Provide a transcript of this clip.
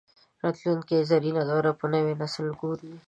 راتلونکي زرین دور به نوی نسل ګوري